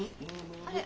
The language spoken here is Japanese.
あれ？